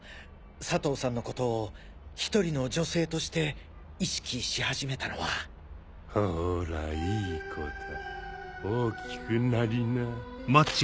佐藤さんのことを１人の女性として意識し始めたのはほらいい子だ大きくなりな。